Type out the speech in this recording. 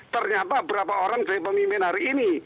ternyata berapa orang jadi pemimpin hari ini